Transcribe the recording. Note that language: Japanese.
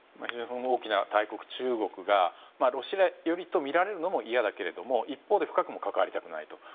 非常に大きな大国中国がロシア寄りと見られるのも嫌だけれども一方で深くも関わりたくないと。